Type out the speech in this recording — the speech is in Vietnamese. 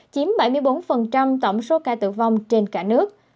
chiếm bảy mươi bốn tổng số ca tử vong trên cả nước